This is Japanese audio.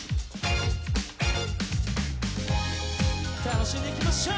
楽しんでいきましょう！